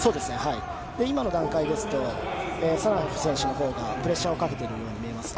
今の段階ですと、サナエフ選手のほうがプレッシャーをかけているように見えますが。